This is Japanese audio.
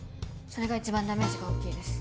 それが一番ダメージが大きいです。